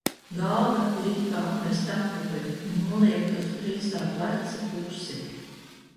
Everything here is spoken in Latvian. Galva ir it kā atmesta atpakaļ un noliekta uz kreisā pleca pusi.